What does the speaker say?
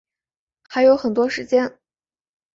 还有很多时间